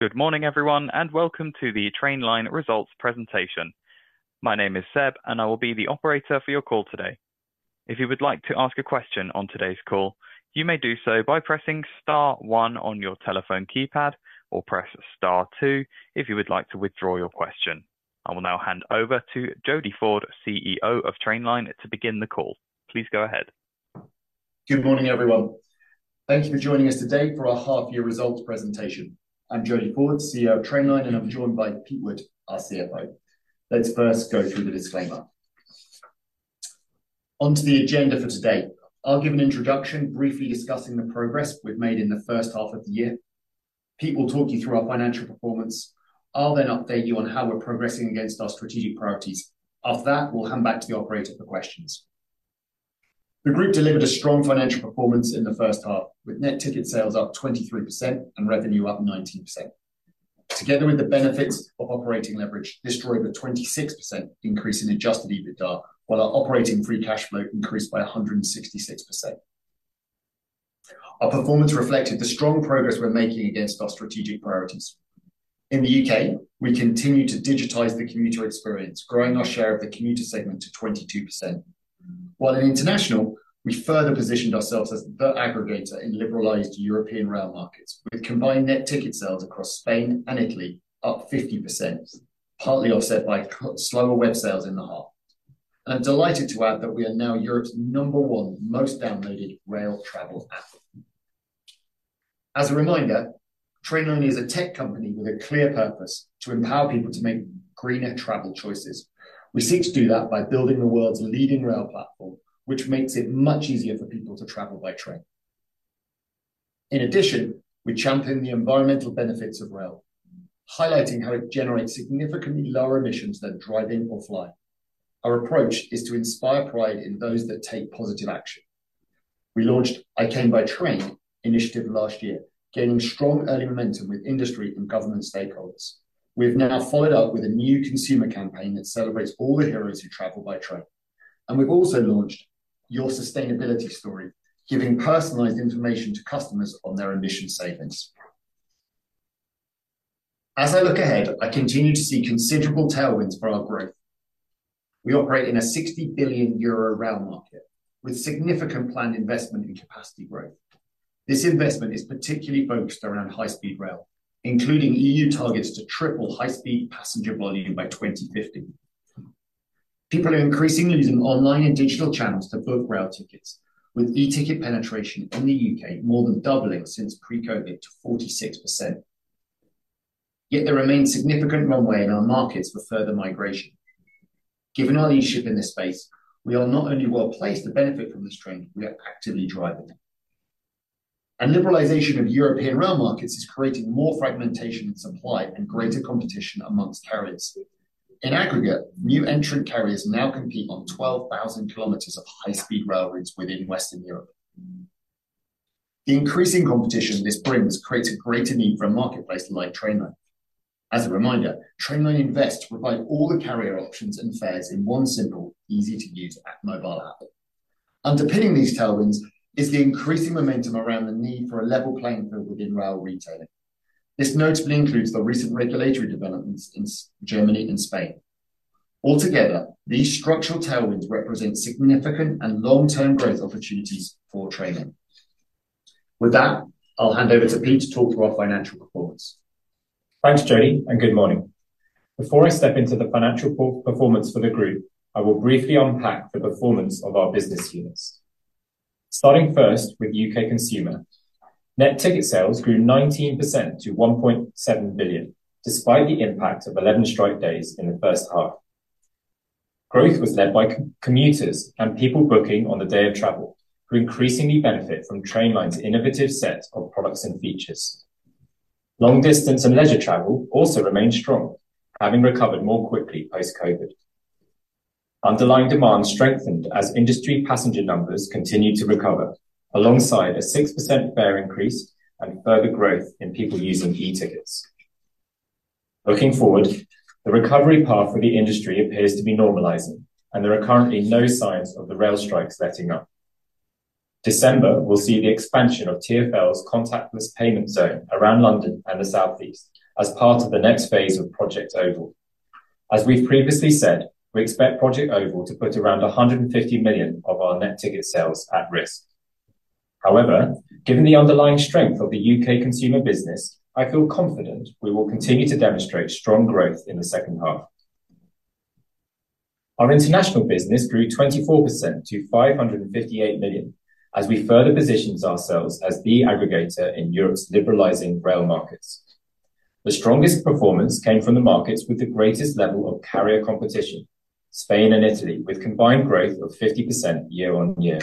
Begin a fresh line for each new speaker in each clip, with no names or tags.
Good morning, everyone, and welcome to the Trainline Results Presentation. My name is Seb, and I will be the operator for your call today. If you would like to ask a question on today's call, you may do so by pressing star one on your telephone keypad, or press star two if you would like to withdraw your question. I will now hand over to Jody Ford, CEO of Trainline, to begin the call. Please go ahead.
Good morning, everyone. Thank you for joining us today for our half-year results presentation. I'm Jody Ford, CEO of Trainline, and I'm joined by Pete Wood, our CFO. Let's first go through the disclaimer. On to the agenda for today. I'll give an introduction, briefly discussing the progress we've made in the first half of the year. Pete will talk you through our financial performance. I'll then update you on how we're progressing against our strategic priorities. After that, we'll hand back to the operator for questions. The group delivered a strong financial performance in the first half, with Net Ticket Sales up 23% and revenue up 19%. Together with the benefits of operating leverage, this drove a 26% increase in Adjusted EBITDA, while our Operating Free Cash Flow increased by 166%. Our performance reflected the strong progress we're making against our strategic priorities. In the U.K., we continue to digitize the commuter experience, growing our share of the commuter segment to 22%, while in international, we further positioned ourselves as the aggregator in liberalized European rail markets, with combined net ticket sales across Spain and Italy up 50%, partly offset by slower web sales in the half. I'm delighted to add that we are now Europe's number 1 most downloaded rail travel app. As a reminder, Trainline is a tech company with a clear purpose: to empower people to make greener travel choices. We seek to do that by building the world's leading rail platform, which makes it much easier for people to travel by train. In addition, we champion the environmental benefits of rail, highlighting how it generates significantly lower emissions than driving or flying. Our approach is to inspire pride in those that take positive action. We launched I Came By Train initiative last year, gaining strong early momentum with industry and government stakeholders. We've now followed up with a new consumer campaign that celebrates all the heroes who travel by train, and we've also launched Your Sustainability Story, giving personalized information to customers on their emission savings. As I look ahead, I continue to see considerable tailwinds for our growth. We operate in a 60 billion euro rail market with significant planned investment in capacity growth. This investment is particularly focused around high-speed rail, including EU targets to triple high-speed passenger volume by 2050. People are increasingly using online and digital channels to book rail tickets, with e-ticket penetration in the U.K. more than doubling since pre-COVID to 46%, yet there remains significant runway in our markets for further migration. Given our leadership in this space, we are not only well placed to benefit from this trend, we are actively driving it. And liberalization of European rail markets is creating more fragmentation in supply and greater competition among carriers. In aggregate, new entrant carriers now compete on 12,000 km of high-speed rail routes within Western Europe. The increasing competition this brings creates a greater need for a marketplace like Trainline. As a reminder, Trainline invests to provide all the carrier options and fares in one simple, easy to use mobile app. Underpinning these tailwinds is the increasing momentum around the need for a level playing field within rail retailing. This notably includes the recent regulatory developments in Germany and Spain. Altogether, these structural tailwinds represent significant and long-term growth opportunities for Trainline. With that, I'll hand over to Pete to talk through our financial reports.
Thanks, Jody, and good morning. Before I step into the financial performance for the group, I will briefly unpack the performance of our business units. Starting first with UK consumer, net ticket sales grew 19% to 1.7 billion, despite the impact of 11 strike days in the first half. Growth was led by commuters and people booking on the day of travel, who increasingly benefit from Trainline's innovative set of products and features. Long distance and leisure travel also remained strong, having recovered more quickly post-COVID. Underlying demand strengthened as industry passenger numbers continued to recover, alongside a 6% fare increase and further growth in people using e-tickets. Looking forward, the recovery path for the industry appears to be normalizing, and there are currently no signs of the rail strikes letting up. December will see the expansion of TfL's contactless payment zone around London and the Southeast as part of the next phase of Project Oval. As we've previously said, we expect Project Oval to put around 150 million of our net ticket sales at risk. However, given the underlying strength of the UK consumer business, I feel confident we will continue to demonstrate strong growth in the second half. Our international business grew 24% to 558 million as we further positioned ourselves as the aggregator in Europe's liberalizing rail markets. The strongest performance came from the markets with the greatest level of carrier competition, Spain and Italy, with combined growth of 50% year-on-year.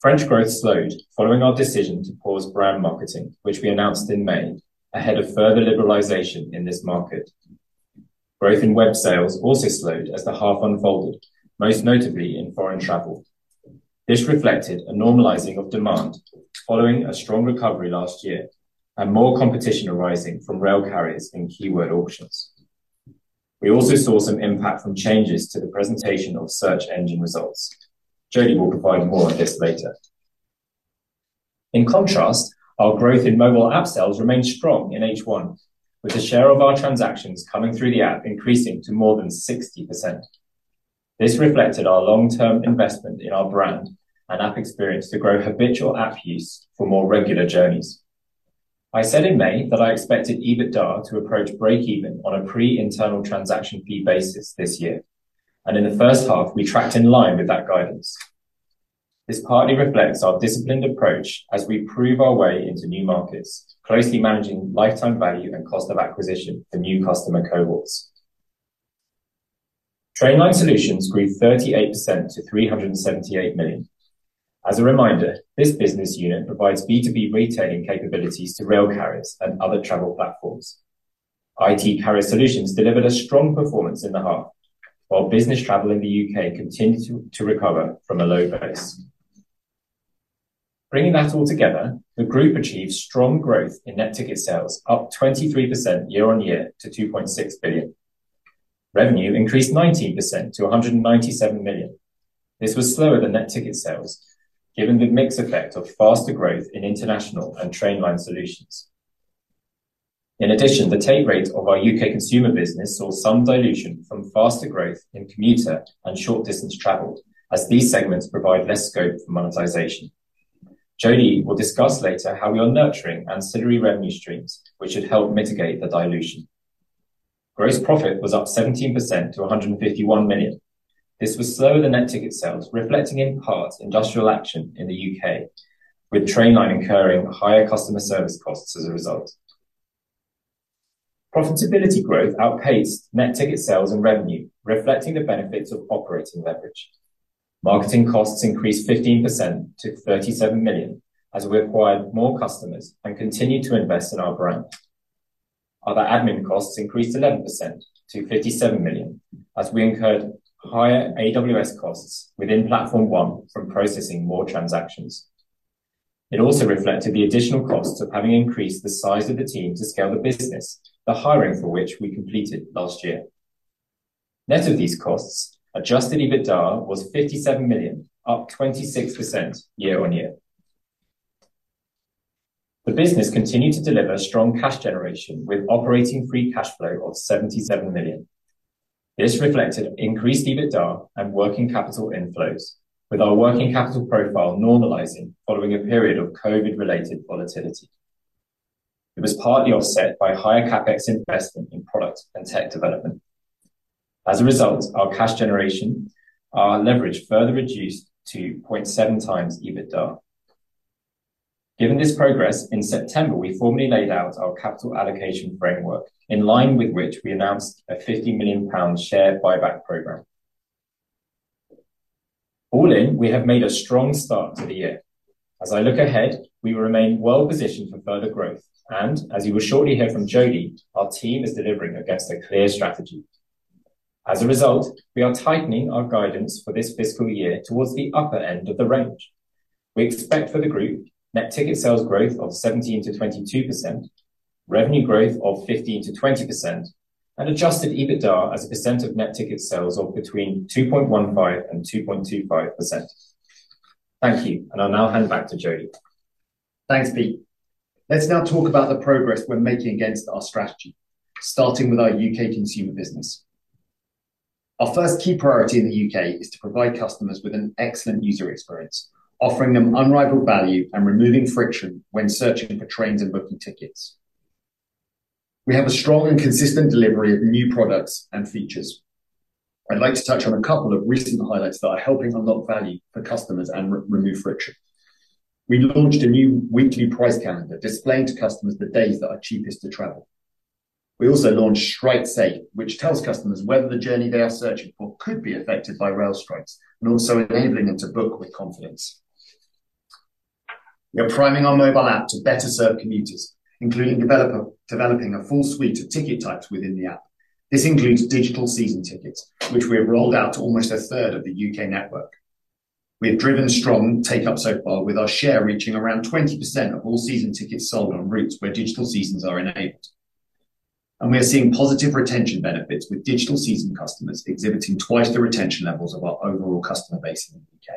French growth slowed following our decision to pause brand marketing, which we announced in May, ahead of further liberalization in this market. Growth in web sales also slowed as the half unfolded, most notably in foreign travel. This reflected a normalizing of demand following a strong recovery last year and more competition arising from rail carriers in keyword auctions. We also saw some impact from changes to the presentation of search engine results. Jody will provide more on this later. In contrast, our growth in mobile app sales remained strong in H1, with the share of our transactions coming through the app increasing to more than 60%. This reflected our long-term investment in our brand and app experience to grow habitual app use for more regular journeys. I said in May that I expected EBITDA to approach breakeven on a pre-internal transaction fee basis this year, and in the first half, we tracked in line with that guidance. This partly reflects our disciplined approach as we prove our way into new markets, closely managing lifetime value and cost of acquisition for new customer cohorts. Trainline Solutions grew 38% to 378 million. As a reminder, this business unit provides B2B retailing capabilities to rail carriers and other travel platforms. Trainline Carrier Solutions delivered a strong performance in the half, while business travel in the U.K. continued to recover from a low base. Bringing that all together, the group achieved strong growth in net ticket sales, up 23% year-on-year to 2.6 billion. Revenue increased 19% to 197 million. This was slower than net ticket sales, given the mix effect of faster growth in international and Trainline solutions. In addition, the take rate of our UK consumer business saw some dilution from faster growth in commuter and short-distance travel, as these segments provide less scope for monetization. Jody will discuss later how we are nurturing ancillary revenue streams, which should help mitigate the dilution. Gross profit was up 17% to 151 million. This was slower than net ticket sales, reflecting in part industrial action in the U.K., with Trainline incurring higher customer service costs as a result. Profitability growth outpaced net ticket sales and revenue, reflecting the benefits of operating leverage. Marketing costs increased 15% to 37 million as we acquired more customers and continued to invest in our brand. Other admin costs increased 11% to 57 million, as we incurred higher AWS costs within Platform One from processing more transactions. It also reflected the additional costs of having increased the size of the team to scale the business, the hiring for which we completed last year. Net of these costs, adjusted EBITDA was 57 million, up 26% year-on-year. The business continued to deliver strong cash generation with operating free cash flow of 77 million. This reflected increased EBITDA and working capital inflows, with our working capital profile normalizing following a period of COVID-related volatility. It was partly offset by higher CapEx investment in product and tech development. As a result, our cash generation, our leverage further reduced to 0.7x EBITDA. Given this progress, in September, we formally laid out our capital allocation framework, in line with which we announced a 50 million pound share buyback program. All in, we have made a strong start to the year. As I look ahead, we remain well positioned for further growth, and as you will shortly hear from Jody, our team is delivering against a clear strategy. As a result, we are tightening our guidance for this fiscal year towards the upper end of the range. We expect for the group net ticket sales growth of 17%-22%, revenue growth of 15%-20%, and adjusted EBITDA as a percent of net ticket sales of between 2.15% and 2.25%. Thank you, and I'll now hand back to Jody.
Thanks, Pete. Let's now talk about the progress we're making against our strategy, starting with our UK consumer business. Our first key priority in the U.K. is to provide customers with an excellent user experience, offering them unrivaled value and removing friction when searching for trains and booking tickets. We have a strong and consistent delivery of new products and features. I'd like to touch on a couple of recent highlights that are helping unlock value for customers and re-remove friction. We launched a new weekly price calendar, displaying to customers the days that are cheapest to travel. We also launched Strike Safe, which tells customers whether the journey they are searching for could be affected by rail strikes, and also enabling them to book with confidence. We are priming our mobile app to better serve commuters, including developing a full suite of ticket types within the app. This includes Digital Seasons tickets, which we have rolled out to almost a third of the U.K. network. We have driven strong take-up so far, with our share reaching around 20% of all season tickets sold on routes where Digital Seasons are enabled. And we are seeing positive retention benefits, with Digital Seasons customers exhibiting twice the retention levels of our overall customer base in the U.K.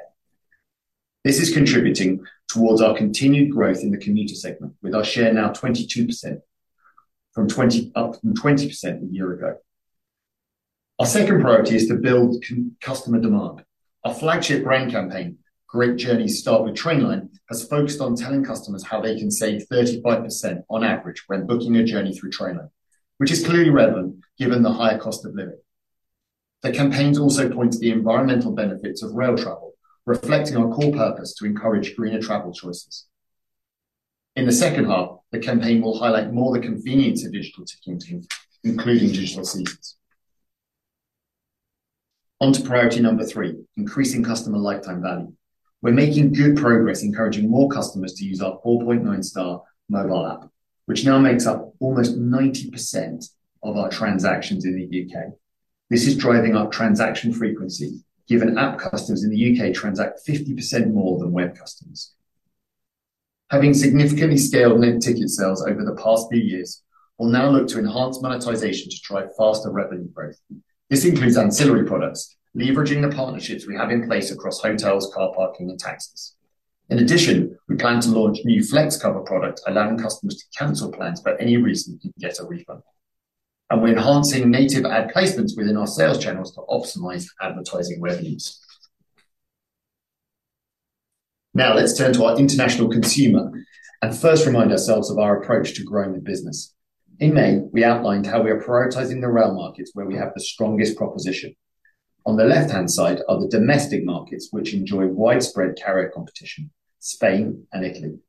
This is contributing towards our continued growth in the commuter segment, with our share now 22%, up from 20% a year ago. Our second priority is to build customer demand. Our flagship brand campaign, Great Journeys Start with Trainline, has focused on telling customers how they can save 35% on average when booking a journey through Trainline, which is clearly relevant given the higher cost of living. The campaigns also point to the environmental benefits of rail travel, reflecting our core purpose to encourage greener travel choices. In the second half, the campaign will highlight more the convenience of digital ticketing, including Digital Seasons. On to priority number three, increasing customer lifetime value. We're making good progress, encouraging more customers to use our 4.9-star mobile app, which now makes up almost 90% of our transactions in the U.K. This is driving our transaction frequency, given app customers in the U.K. transact 50% more than web customers....Having significantly scaled Net Ticket Sales over the past few years, we'll now look to enhance monetization to drive faster revenue growth. This includes ancillary products, leveraging the partnerships we have in place across hotels, car parking, and taxis. In addition, we plan to launch new flex cover product, allowing customers to cancel plans for any reason and get a refund. We're enhancing native ad placements within our sales channels to optimize advertising revenues. Now, let's turn to our international consumer and first remind ourselves of our approach to growing the business. In May, we outlined how we are prioritizing the rail markets where we have the strongest proposition. On the left-hand side are the domestic markets, which enjoy widespread carrier competition, Spain and Italy.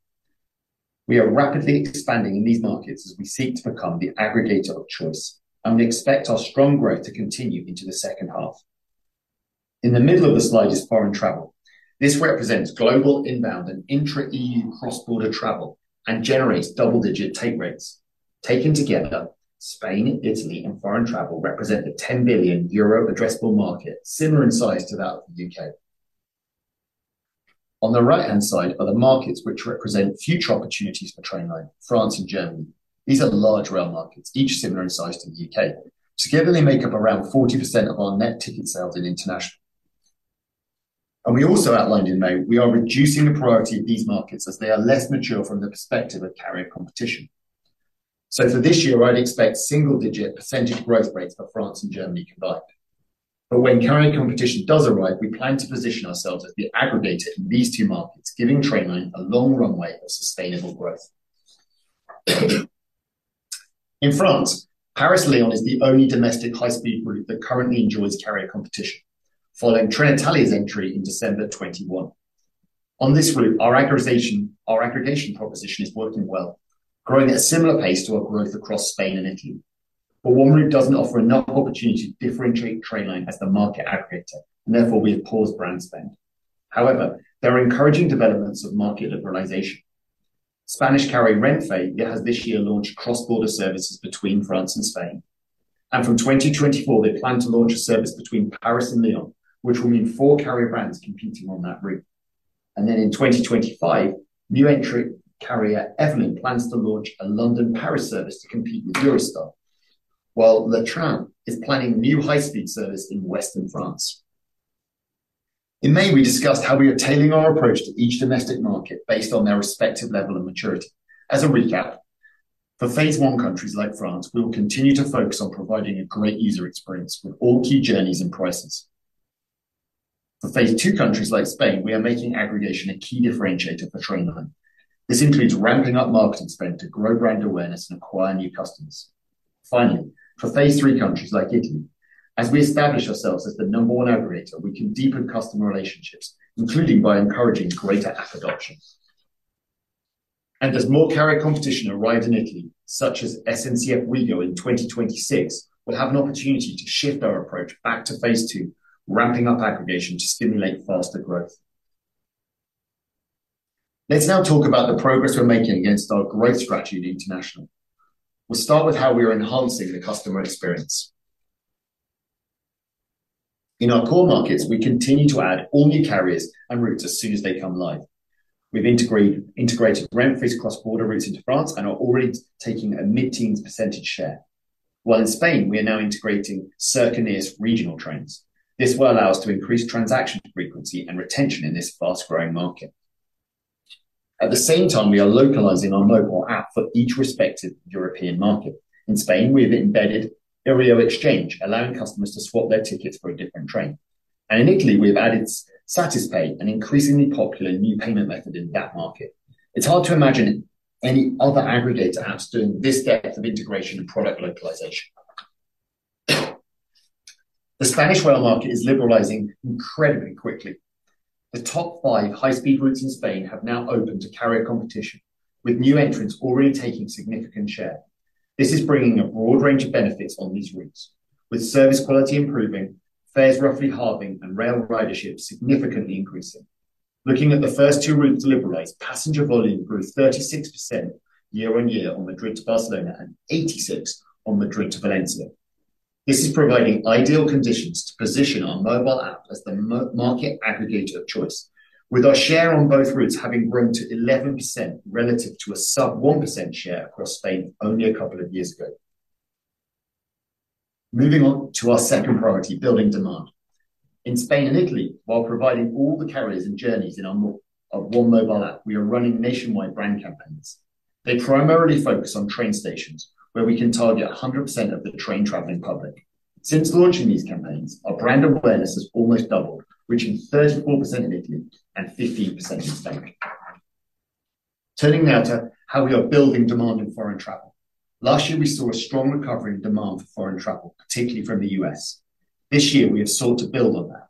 We are rapidly expanding in these markets as we seek to become the aggregator of choice, and we expect our strong growth to continue into the second half. In the middle of the slide is foreign travel. This represents global inbound and intra-EU cross-border travel and generates double-digit take rates. Taken together, Spain, Italy, and foreign travel represent a 10 billion euro addressable market, similar in size to that of the U.K. On the right-hand side are the markets which represent future opportunities for Trainline, France and Germany. These are large rail markets, each similar in size to the U.K. Together, they make up around 40% of our net ticket sales in international. And we also outlined in May, we are reducing the priority of these markets as they are less mature from the perspective of carrier competition. So for this year, I'd expect single-digit percentage growth rates for France and Germany combined. But when carrier competition does arrive, we plan to position ourselves as the aggregator in these two markets, giving Trainline a long runway of sustainable growth. In France, Paris-Lyon is the only domestic high-speed route that currently enjoys carrier competition, following Trenitalia's entry in December 2021. On this route, our aggregation proposition is working well, growing at a similar pace to our growth across Spain and Italy. But one route doesn't offer enough opportunity to differentiate Trainline as the market aggregator, and therefore we have paused brand spend. However, there are encouraging developments of market liberalization. Spanish carrier, Renfe, it has this year launched cross-border services between France and Spain, and from 2024, they plan to launch a service between Paris and Lyon, which will mean four carrier brands competing on that route. And then in 2025, new entry carrier, Evolyn, plans to launch a London-Paris service to compete with Eurostar, while Le Train is planning new high-speed service in Western France. In May, we discussed how we are tailoring our approach to each domestic market based on their respective level of maturity. As a recap, for Phase 1 countries like France, we will continue to focus on providing a great user experience for all key journeys and prices. For Phase 2 countries like Spain, we are making aggregation a key differentiator for Trainline. This includes ramping up marketing spend to grow brand awareness and acquire new customers. Finally, for Phase 3 countries like Italy, as we establish ourselves as the number one aggregator, we can deepen customer relationships, including by encouraging greater app adoption. And as more carrier competition arrive in Italy, such as SNCF OUIGO in 2026, we'll have an opportunity to shift our approach back to Phase 2, ramping up aggregation to stimulate faster growth. Let's now talk about the progress we're making against our growth strategy in international. We'll start with how we are enhancing the customer experience. In our core markets, we continue to add all new carriers and routes as soon as they come live. We've integrated Renfe's cross-border routes into France and are already taking a mid-teens % share. While in Spain, we are now integrating Cercanías regional trains. This will allow us to increase transaction frequency and retention in this fast-growing market. At the same time, we are localizing our mobile app for each respective European market. In Spain, we have embedded iryo Exchange, allowing customers to swap their tickets for a different train. In Italy, we've added Satispay, an increasingly popular new payment method in that market. It's hard to imagine any other aggregator apps doing this depth of integration and product localization. The Spanish rail market is liberalizing incredibly quickly. The top five high-speed routes in Spain have now opened to carrier competition, with new entrants already taking significant share. This is bringing a broad range of benefits on these routes, with service quality improving, fares roughly halving, and rail ridership significantly increasing. Looking at the first two routes to liberalize, passenger volume grew 36% year-on-year on Madrid to Barcelona and 86% on Madrid to Valencia. This is providing ideal conditions to position our mobile app as the market aggregator of choice, with our share on both routes having grown to 11% relative to a sub-1% share across Spain only a couple of years ago. Moving on to our second priority, building demand. In Spain and Italy, while providing all the carriers and journeys in our one mobile app, we are running nationwide brand campaigns. They primarily focus on train stations, where we can target 100% of the train traveling public. Since launching these campaigns, our brand awareness has almost doubled, reaching 34% in Italy and 15% in Spain. Turning now to how we are building demand in foreign travel. Last year, we saw a strong recovery in demand for foreign travel, particularly from the U.S. This year, we have sought to build on that.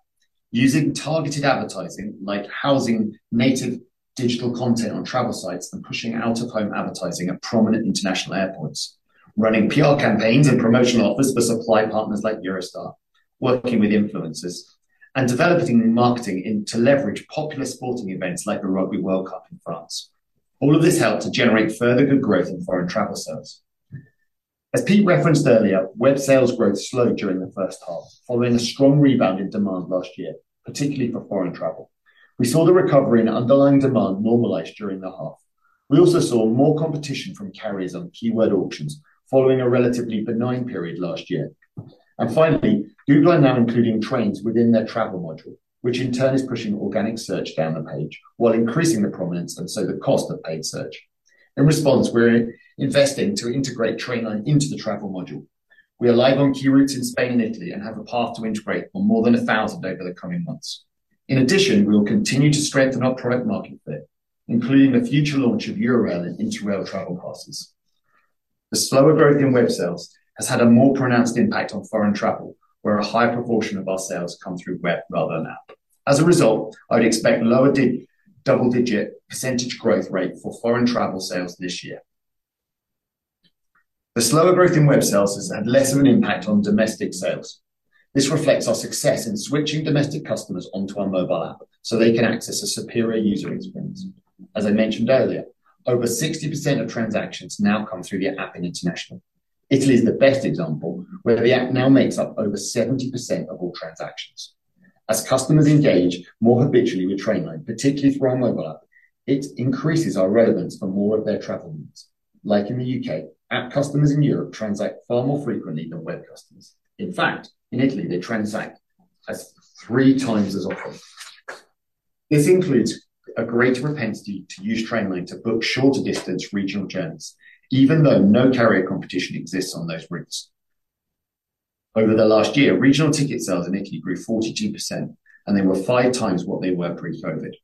Using targeted advertising, like housing native digital content on travel sites and pushing out-of-home advertising at prominent international airports, running PR campaigns and promotional offers for supply partners like Eurostar, working with influencers, and developing marketing into to leverage popular sporting events like the Rugby World Cup in France. All of this helped to generate further good growth in foreign travel sales. As Pete referenced earlier, web sales growth slowed during the first half, following a strong rebound in demand last year, particularly for foreign travel. We saw the recovery in underlying demand normalize during the half. We also saw more competition from carriers on keyword auctions following a relatively benign period last year. And finally, Google are now including trains within their travel module, which in turn is pushing organic search down the page while increasing the prominence and so the cost of paid search. In response, we're investing to integrate Trainline into the travel module. We are live on key routes in Spain and Italy, and have a path to integrate on more than 1,000 over the coming months. In addition, we will continue to strengthen our product market fit, including the future launch of Eurail and Interrail travel passes. The slower growth in web sales has had a more pronounced impact on foreign travel, where a high proportion of our sales come through web rather than app. As a result, I would expect lower double-digit percentage growth rate for foreign travel sales this year. The slower growth in web sales has had less of an impact on domestic sales. This reflects our success in switching domestic customers onto our mobile app so they can access a superior user experience. As I mentioned earlier, over 60% of transactions now come through the app in international. Italy is the best example, where the app now makes up over 70% of all transactions. As customers engage more habitually with Trainline, particularly through our mobile app, it increases our relevance for more of their travel needs. Like in the UK, app customers in Europe transact far more frequently than web customers. In fact, in Italy, they transact 3 times as often. This includes a greater propensity to use Trainline to book shorter distance regional journeys, even though no carrier competition exists on those routes. Over the last year, regional ticket sales in Italy grew 42%, and they were 5x what they were pre-COVID.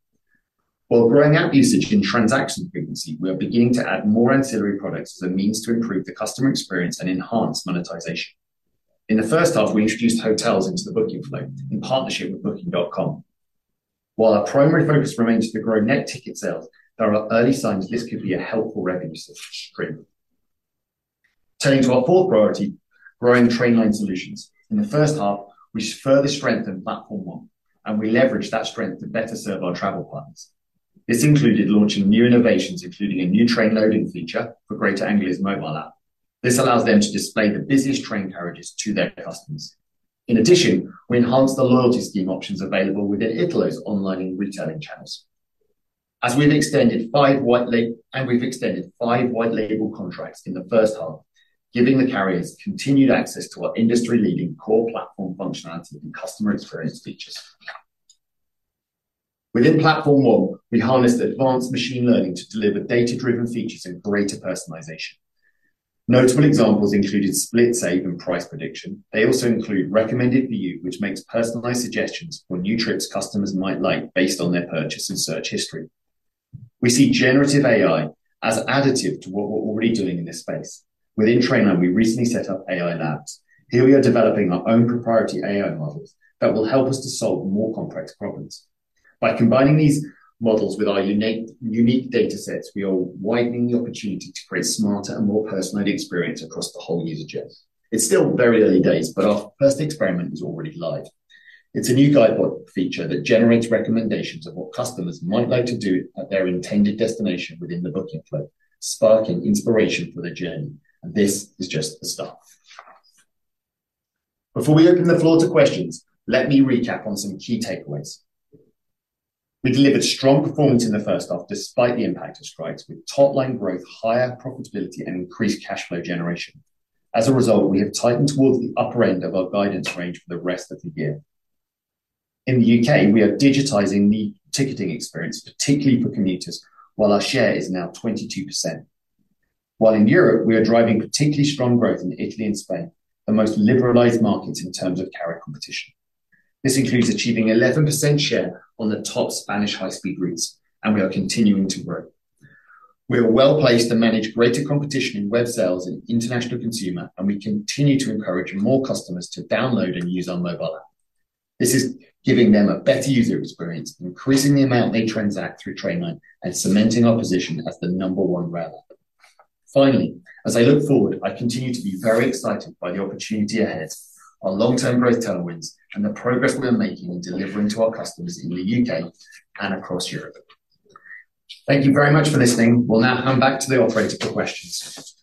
While growing app usage and transaction frequency, we are beginning to add more ancillary products as a means to improve the customer experience and enhance monetization. In the first half, we introduced hotels into the booking flow in partnership with Booking.com. While our primary focus remains to grow net ticket sales, there are early signs this could be a helpful revenue stream. Turning to our fourth priority, growing Trainline Solutions. In the first half, we further strengthened Platform One, and we leveraged that strength to better serve our travel partners. This included launching new innovations, including a new train loading feature for Greater Anglia's mobile app. This allows them to display the busiest train carriages to their customers. In addition, we enhanced the loyalty scheme options available within Italo's online and retailing channels. As we've extended five White Label contracts in the first half, giving the carriers continued access to our industry-leading core platform functionality and customer experience features. Within Platform One, we harnessed advanced machine learning to deliver data-driven features and greater personalization. Notable examples included SplitSave and Price Prediction. They also include Recommended for You, which makes personalized suggestions for new trips customers might like based on their purchase and search history. We see Generative AI as additive to what we're already doing in this space. Within Trainline, we recently set up AI labs. Here we are developing our own proprietary AI models that will help us to solve more complex problems. By combining these models with our unique, unique data sets, we are widening the opportunity to create smarter and more personalized experience across the whole user journey. It's still very early days, but our first experiment is already live. It's a new guidebook feature that generates recommendations of what customers might like to do at their intended destination within the booking flow, sparking inspiration for their journey, and this is just the start. Before we open the floor to questions, let me recap on some key takeaways. We delivered strong performance in the first half, despite the impact of strikes, with top line growth, higher profitability, and increased cash flow generation. As a result, we have tightened towards the upper end of our guidance range for the rest of the year. In the U.K., we are digitizing the ticketing experience, particularly for commuters, while our share is now 22%. While in Europe, we are driving particularly strong growth in Italy and Spain, the most liberalized markets in terms of carrier competition. This includes achieving 11% share on the top Spanish high-speed routes, and we are continuing to grow. We are well placed to manage greater competition in web sales and international consumer, and we continue to encourage more customers to download and use our mobile app. This is giving them a better user experience, increasing the amount they transact through Trainline, and cementing our position as the number 1 rail app. Finally, as I look forward, I continue to be very excited by the opportunity ahead, our long-term growth tailwinds, and the progress we are making in delivering to our customers in the U.K. and across Europe. Thank you very much for listening. We'll now come back to the operator for questions.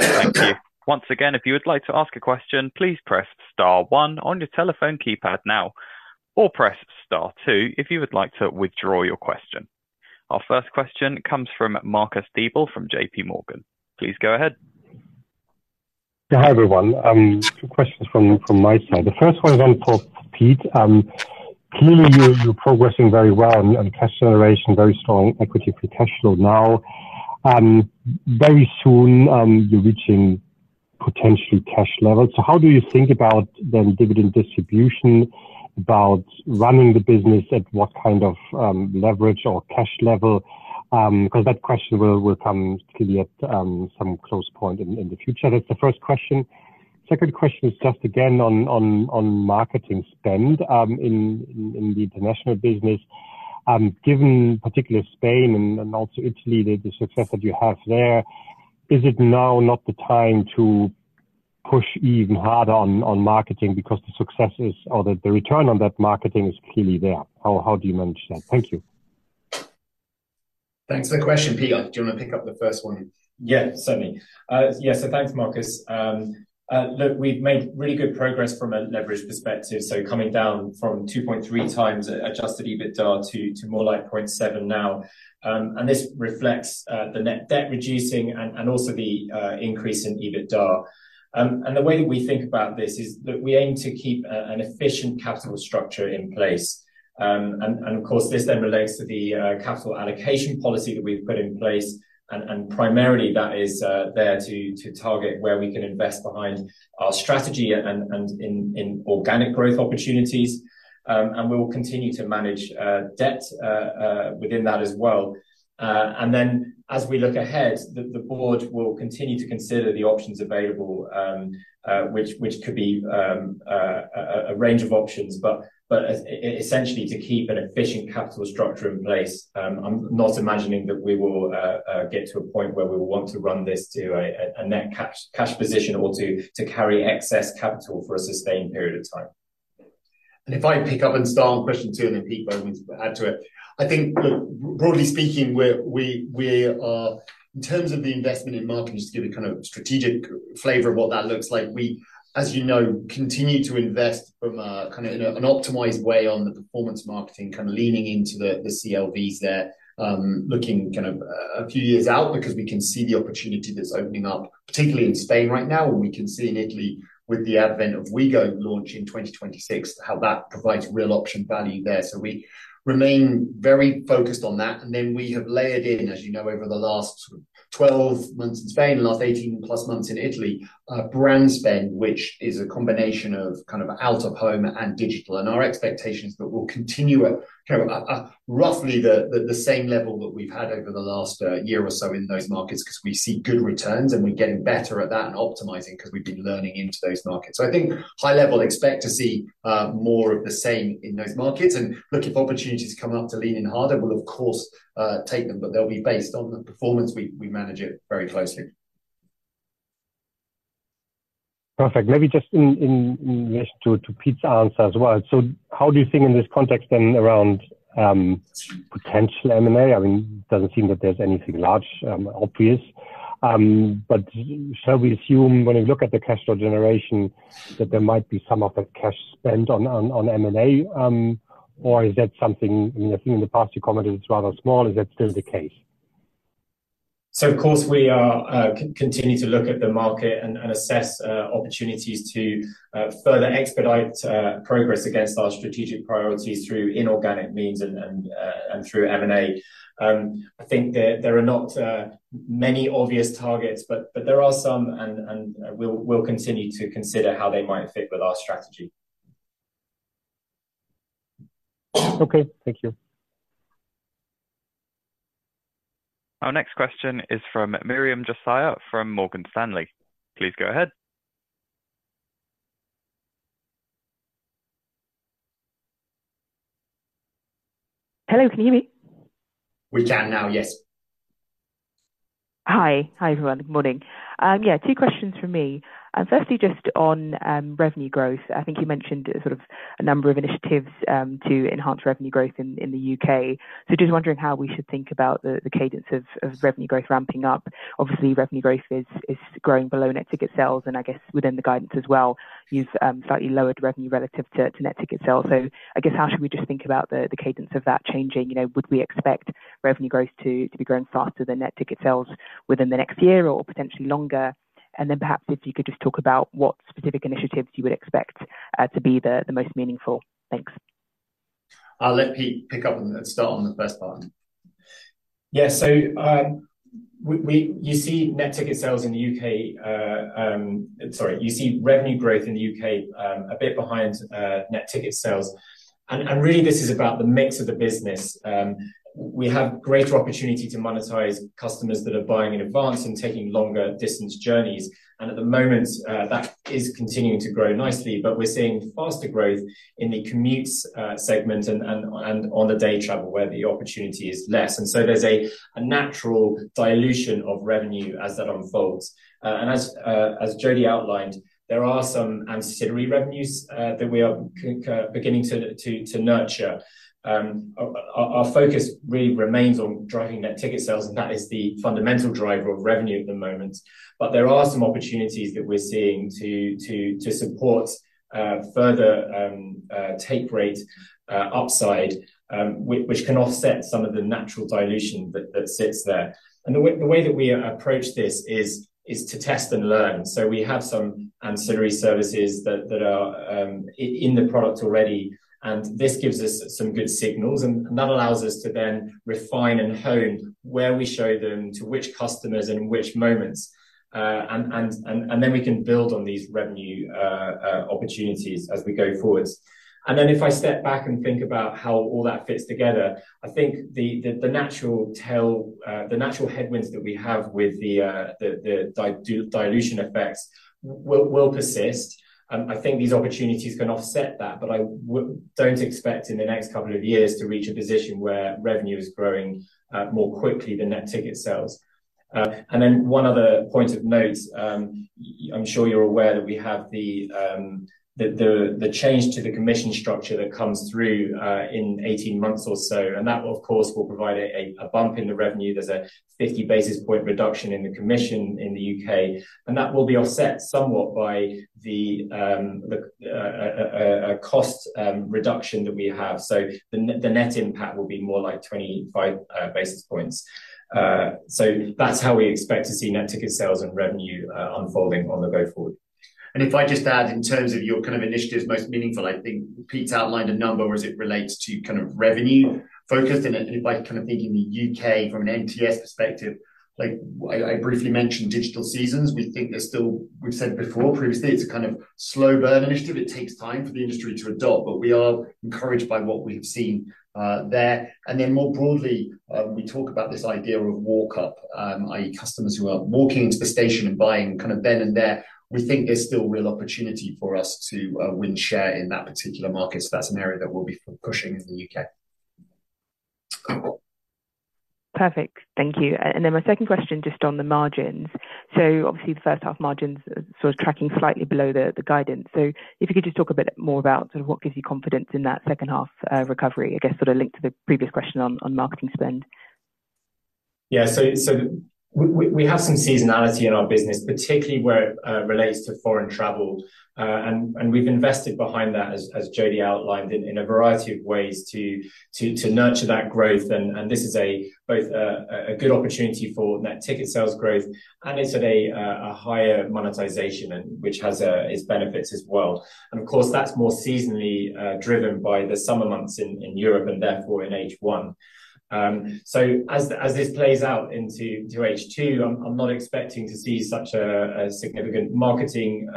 Thank you. Once again, if you would like to ask a question, please press star one on your telephone keypad now or press star two if you would like to withdraw your question. Our first question comes from Marcus Diebel from JPMorgan. Please go ahead.
Hi, everyone. Two questions from my side. The first one is on for Pete. Clearly, you're progressing very well and cash generation, very strong equity potential now. Very soon, you're reaching potential cash levels. So how do you think about the dividend distribution, about running the business, at what kind of leverage or cash level? Because that question will come to you at some close point in the future. That's the first question. Second question is just again on marketing spend in the international business. Given particularly Spain and also Italy, the success that you have there, is it now not the time to push even harder on marketing because the successes or the return on that marketing is clearly there. How do you manage that? Thank you.
Thanks for the question. Pete, do you want to pick up the first one?
Yeah, certainly. Yeah, so thanks, Marcus. Look, we've made really good progress from a leverage perspective. So coming down from 2.3x Adjusted EBITDA to more like 0.7 now. And this reflects the net debt reducing and also the increase in EBITDA. And the way that we think about this is that we aim to keep an efficient capital structure in place. And of course, this then relates to the capital allocation policy that we've put in place, and primarily that is there to target where we can invest behind our strategy and in organic growth opportunities. And we will continue to manage debt within that as well. And then as we look ahead, the board will continue to consider the options available, which could be a range of options, but essentially, to keep an efficient capital structure in place. I'm not imagining that we will get to a point where we will want to run this to a net cash position or to carry excess capital for a sustained period of time.
If I pick up and start on question two, and then, Pete, maybe add to it. I think, look, broadly speaking, we are in terms of the investment in marketing, just to give a kind of strategic flavor of what that looks like, we, as you know, continue to invest from a kind of an optimized way on the performance marketing, kind of leaning into the CLVs there, looking kind of a few years out, because we can see the opportunity that's opening up, particularly in Spain right now, and we can see in Italy with the advent of OUIGO launch in 2026, how that provides real option value there. So we remain very focused on that. And then we have layered in, as you know, over the last sort of 12 months in Spain, the last 18+ months in Italy, brand spend, which is a combination of kind of out-of-home and digital. And our expectation is that we'll continue at kind of roughly the same level that we've had over the last year or so in those markets, 'cause we see good returns, and we're getting better at that and optimizing 'cause we've been learning into those markets. So I think high level, expect to see more of the same in those markets, and look, if opportunities come up to lean in harder, we'll of course take them, but they'll be based on the performance. We manage it very closely.
Perfect. Maybe just in addition to Pete's answer as well. So how do you think in this context then, around potential M&A? I mean, it doesn't seem that there's anything large obvious. But shall we assume, when we look at the cash flow generation, that there might be some of the cash spent on M&A, or is that something, you know, in the past, you commented it's rather small. Is that still the case?
So of course, we continue to look at the market and assess opportunities to further expedite progress against our strategic priorities through inorganic means and through M&A. I think there are not many obvious targets, but there are some, and we'll continue to consider how they might fit with our strategy.
Okay, thank you.
Our next question is from Miriam Josiah from Morgan Stanley. Please go ahead.
Hello, can you hear me?
We can now, yes.
Hi. Hi, everyone. Good morning. Yeah, two questions from me. Firstly, just on revenue growth. I think you mentioned sort of a number of initiatives to enhance revenue growth in the U.K. So just wondering how we should think about the cadence of revenue growth ramping up. Obviously, revenue growth is growing below net ticket sales, and I guess within the guidance as well, you've slightly lowered revenue relative to net ticket sales. So I guess, how should we just think about the cadence of that changing? You know, would we expect revenue growth to be growing faster than net ticket sales within the next year or potentially longer? And then perhaps if you could just talk about what specific initiatives you would expect to be the most meaningful. Thanks.
I'll let Pete pick up and start on the first part.
Yeah. So, you see net ticket sales in the U.K. Sorry, you see revenue growth in the U.K. a bit behind net ticket sales. And really, this is about the mix of the business. We have greater opportunity to monetize customers that are buying in advance and taking longer distance journeys, and at the moment, that is continuing to grow nicely, but we're seeing faster growth in the commutes segment and on the day travel, where the opportunity is less. And so there's a natural dilution of revenue as that unfolds. And as Jody outlined, there are some ancillary revenues that we are beginning to nurture. Our focus really remains on driving net ticket sales, and that is the fundamental driver of revenue at the moment. But there are some opportunities that we're seeing to support further take rate upside, which can offset some of the natural dilution that sits there. And the way that we approach this is to test and learn. So we have some ancillary services that are in the product already, and this gives us some good signals, and that allows us to then refine and hone where we show them, to which customers and which moments, and then we can build on these revenue opportunities as we go forward. If I step back and think about how all that fits together, I think the natural headwinds that we have with the dilution effects will persist. I think these opportunities can offset that, but I don't expect in the next couple of years to reach a position where revenue is growing more quickly than net ticket sales....
and then one other point of note, I'm sure you're aware that we have the change to the commission structure that comes through in 18 months or so, and that, of course, will provide a bump in the revenue. There's a 50 basis point reduction in the commission in the U.K., and that will be offset somewhat by a cost reduction that we have. So the net impact will be more like 25 basis points. So that's how we expect to see net ticket sales and revenue unfolding on the go forward. And if I just add, in terms of your kind of initiatives, most meaningful, I think Pete's outlined a number as it relates to kind of revenue focused. If I kind of think in the UK from an NTS perspective, like I briefly mentioned Digital Seasons, we think there's still. We've said before previously, it's a kind of slow burn initiative. It takes time for the industry to adopt, but we are encouraged by what we have seen there. And then more broadly, we talk about this idea of walk-up, i.e., customers who are walking into the station and buying kind of then and there. We think there's still real opportunity for us to win share in that particular market. So that's an area that we'll be pushing in the UK.
Perfect. Thank you. Then my second question, just on the margins. So obviously, the first half margins are sort of tracking slightly below the guidance. So if you could just talk a bit more about sort of what gives you confidence in that second half recovery. I guess sort of linked to the previous question on marketing spend.
Yeah. So we have some seasonality in our business, particularly where it relates to foreign travel. And we've invested behind that, as Jody outlined, in a variety of ways to nurture that growth. And this is both a good opportunity for net ticket sales growth, and it's at a higher monetization and which has its benefits as well. And of course, that's more seasonally driven by the summer months in Europe and therefore in H1. So as this plays out into H2, I'm not expecting to see such a significant marketing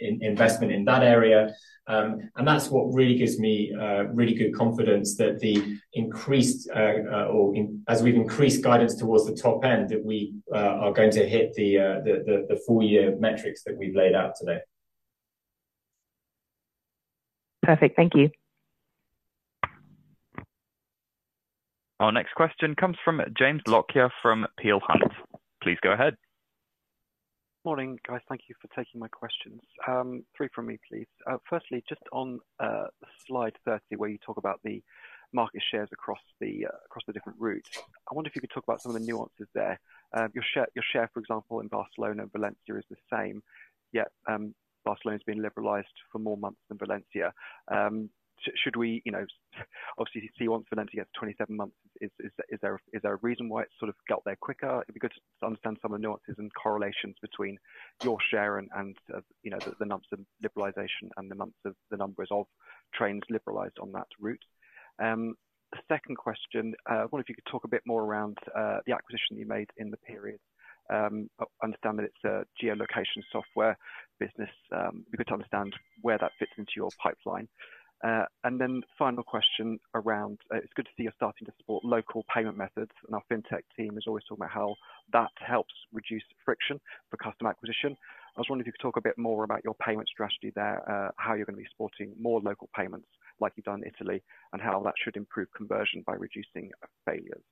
investment in that area. That's what really gives me really good confidence that as we've increased guidance towards the top end, that we are going to hit the full year metrics that we've laid out today.
Perfect. Thank you.
Our next question comes from James Lockyer from Peel Hunt. Please go ahead.
Morning, guys. Thank you for taking my questions. Three from me, please. Firstly, just on slide 30, where you talk about the market shares across the across the different routes. I wonder if you could talk about some of the nuances there. Your share, your share, for example, in Barcelona and Valencia is the same, yet Barcelona has been liberalized for more months than Valencia. Should we, you know, obviously see once Valencia gets 27 months, is there a reason why it sort of got there quicker? It'd be good to understand some of the nuances and correlations between your share and, and you know, the numbers of liberalization and the months of the numbers of trains liberalized on that route. The second question, I wonder if you could talk a bit more around the acquisition you made in the period. I understand that it's a geolocation software business. Be good to understand where that fits into your pipeline. And then final question around, it's good to see you're starting to support local payment methods, and our fintech team is always talking about how that helps reduce friction for customer acquisition. I was wondering if you could talk a bit more about your payment strategy there, how you're going to be supporting more local payments like you've done in Italy, and how that should improve conversion by reducing failures.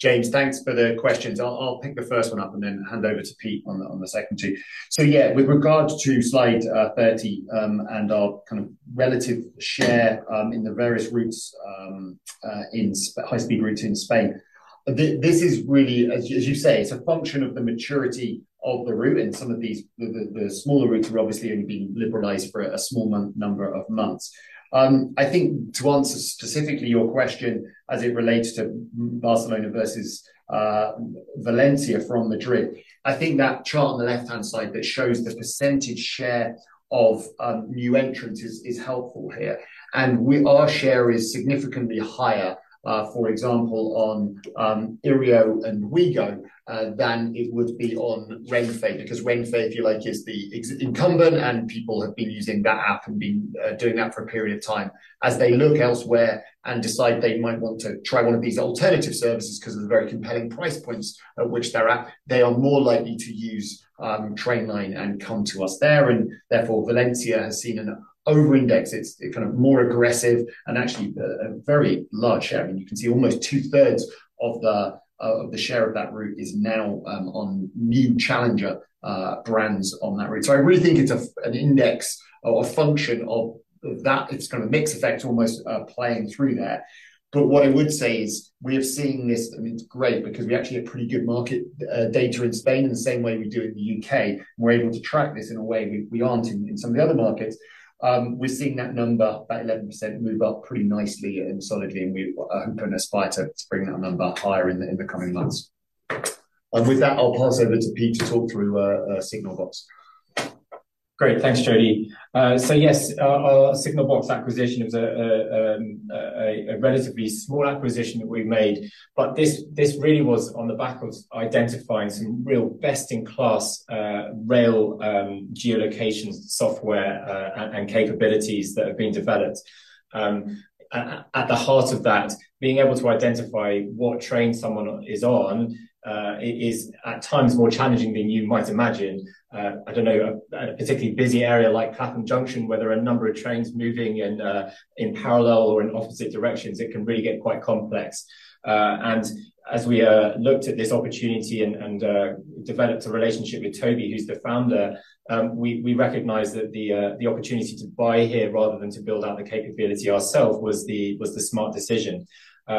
Thanks.
James, thanks for the questions. I'll pick the first one up and then hand over to Pete on the second two. So yeah, with regard to slide 30 and our kind of relative share in the various routes in high-speed routes in Spain, this is really as you say, it's a function of the maturity of the route, and some of these, the smaller routes have obviously only been liberalized for a small number of months. I think to answer specifically your question as it relates to Barcelona versus Valencia from Madrid, I think that chart on the left-hand side that shows the percentage share of new entrants is helpful here. Our share is significantly higher, for example, on iryo and OUIGO, than it would be on Renfe, because Renfe, if you like, is the incumbent, and people have been using that app and been doing that for a period of time. As they look elsewhere and decide they might want to try one of these alternative services, because of the very compelling price points at which they're at, they are more likely to use Trainline and come to us there, and therefore, Valencia has seen an overindex. It's kind of more aggressive and actually a very large share. I mean, you can see almost two-thirds of the share of that route is now on new challenger brands on that route. So I really think it's an index or a function of that. It's kind of mix effect almost, playing through there. But what I would say is, we have seen this, and it's great because we actually have pretty good market, data in Spain in the same way we do in the U.K. We're able to track this in a way we aren't in some of the other markets. We're seeing that number, that 11%, move up pretty nicely and solidly, and we hope and aspire to bring that number higher in the coming months. And with that, I'll pass over to Pete to talk through Signalbox....
Great. Thanks, Jody. So yes, our Signalbox acquisition was a relatively small acquisition that we've made, but this really was on the back of identifying some real best-in-class rail geolocation software and capabilities that have been developed. At the heart of that, being able to identify what train someone is on is at times more challenging than you might imagine. I don't know, a particularly busy area like Clapham Junction, where there are a number of trains moving in parallel or in opposite directions, it can really get quite complex. And as we looked at this opportunity and developed a relationship with Toby, who's the founder, we recognized that the opportunity to buy here rather than to build out the capability ourselves was the smart decision.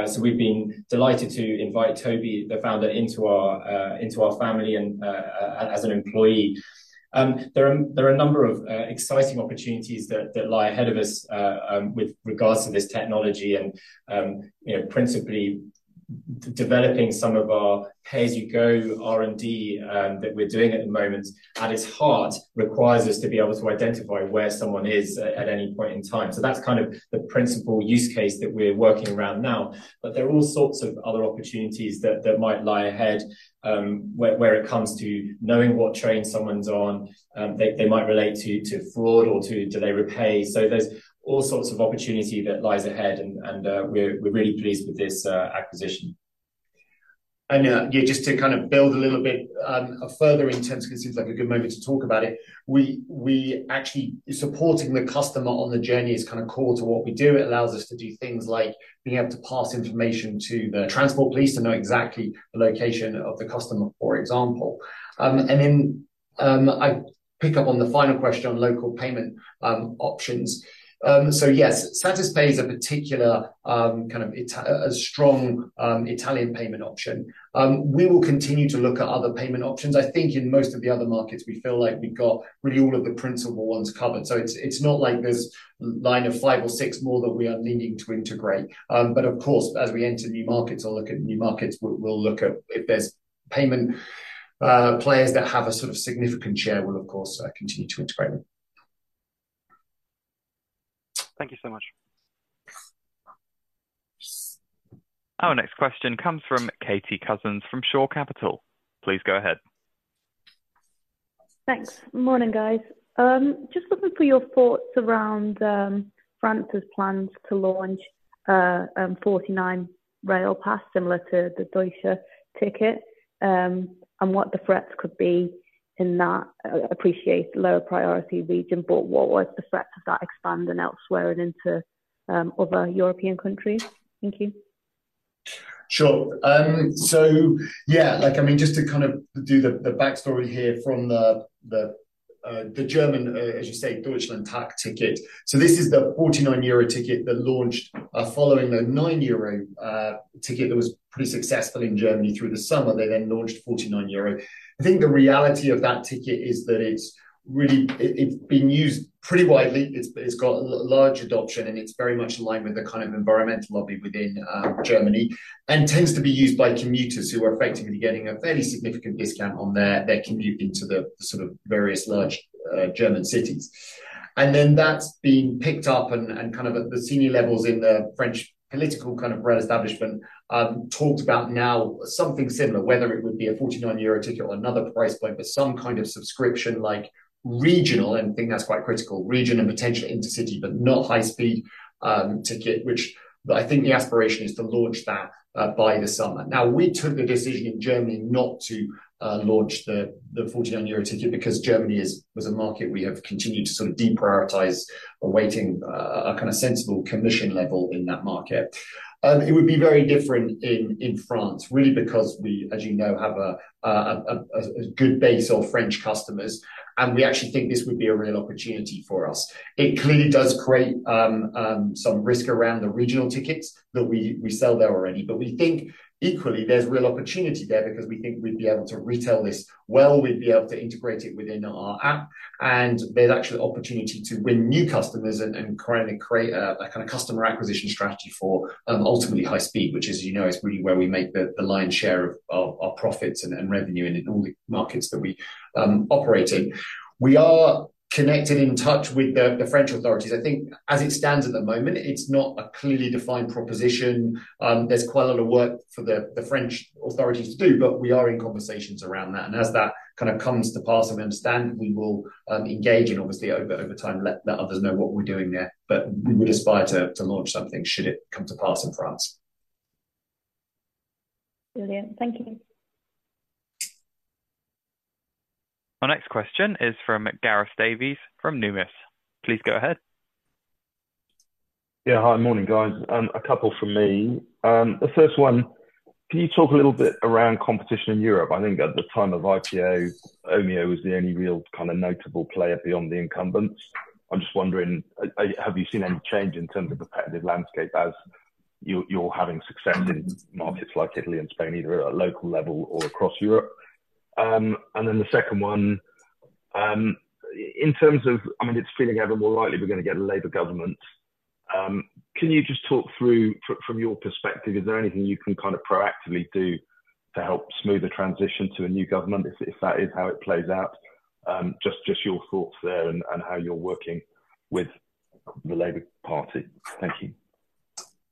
So we've been delighted to invite Toby, the founder, into our family and as an employee. There are a number of exciting opportunities that lie ahead of us with regards to this technology and, you know, principally developing some of our pay-as-you-go R&D that we're doing at the moment. At its heart, requires us to be able to identify where someone is at any point in time. So that's kind of the principal use case that we're working around now. But there are all sorts of other opportunities that might lie ahead, where it comes to knowing what train someone's on. They might relate to fraud or to Delay Repay. So there's all sorts of opportunity that lies ahead, and we're really pleased with this acquisition.
Yeah, just to kind of build a little bit, a further instance, because it seems like a good moment to talk about it. We actually... Supporting the customer on the journey is kind of core to what we do. It allows us to do things like being able to pass information to the transport police to know exactly the location of the customer, for example. And then, I pick up on the final question on local payment options. So yes, Satispay is a particular kind of Italian payment option, a strong one. We will continue to look at other payment options. I think in most of the other markets, we feel like we've got really all of the principal ones covered, so it's not like there's a line of five or six more that we are needing to integrate. But of course, as we enter new markets or look at new markets, we'll look at if there's payment players that have a sort of significant share, we'll of course continue to integrate them.
Thank you so much.
Our next question comes from Katie Cousins, from Shore Capital. Please go ahead.
Thanks. Morning, guys. Just looking for your thoughts around France's plans to launch a 49 rail pass, similar to the Deutschland-Ticket, and what the threats could be in that, a relatively lower priority region, but what was the threat of that expanding elsewhere and into other European countries? Thank you.
Sure. So yeah, like, I mean, just to kind of do the backstory here from the German, as you say, Deutschland-Ticket. So this is the 49 euro ticket that launched following the 9 euro ticket that was pretty successful in Germany through the summer. They then launched 49 euro. I think the reality of that ticket is that it's really, it's been used pretty widely. It's got large adoption, and it's very much in line with the kind of environmental lobby within Germany, and tends to be used by commuters who are effectively getting a fairly significant discount on their commute into the sort of various large German cities. And then that's been picked up and kind of at the senior levels in the French political kind of rail establishment, talked about now something similar, whether it would be a 49 euro ticket or another price point, but some kind of subscription like regional, and I think that's quite critical, regional and potentially intercity, but not high speed, ticket, which. But I think the aspiration is to launch that by the summer. Now, we took the decision in Germany not to launch the 49 euro ticket because Germany is, was a market we have continued to sort of deprioritize, awaiting a kind of sensible commission level in that market. It would be very different in France, really, because we, as you know, have a good base of French customers, and we actually think this would be a real opportunity for us. It clearly does create some risk around the regional tickets that we sell there already, but we think equally there's real opportunity there because we think we'd be able to retail this well, we'd be able to integrate it within our app, and there's actually opportunity to win new customers and currently create a kind of customer acquisition strategy for ultimately high speed, which, as you know, is really where we make the lion's share of our profits and revenue in all the markets that we operate in. We are connected, in touch with the French authorities. I think as it stands at the moment, it's not a clearly defined proposition. There's quite a lot of work for the French authorities to do, but we are in conversations around that. And as that kind of comes to pass, and we understand, we will engage and obviously over time, let the others know what we're doing there. But we would aspire to launch something should it come to pass in France.
Brilliant. Thank you.
Our next question is from Gareth Davies, from Numis. Please go ahead.
Yeah. Hi, morning, guys. A couple from me. The first one, can you talk a little bit around competition in Europe? I think at the time of IPO, Omio was the only real kind of notable player beyond the incumbents. I'm just wondering, have you seen any change in terms of the competitive landscape as you're having success in markets like Italy and Spain, either at a local level or across Europe? And then the second one, in terms of... I mean, it's feeling ever more likely we're going to get a Labour government... Can you just talk through from your perspective, is there anything you can kind of proactively do to help smooth the transition to a new government, if that is how it plays out? Just your thoughts there and how you're working with the Labour Party. Thank you.